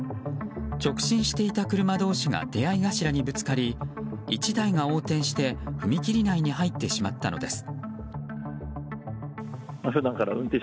直進していた車同士が出合い頭にぶつかり１台が横転して踏切内に入ってしまったのです。